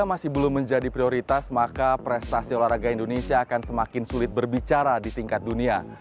jika masih belum menjadi prioritas maka prestasi olahraga indonesia akan semakin sulit berbicara di tingkat dunia